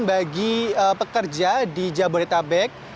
bagi pekerja di jabodetabek